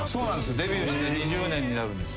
デビューして２０年になるんです。